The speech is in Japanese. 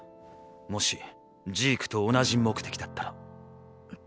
もしジークと同じ目的だったら？